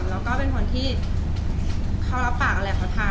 แล้วก็เป็นคนที่เขารับปากอะไรเขาทำ